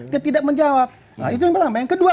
dia tidak menjawab nah itu yang berlambang yang kedua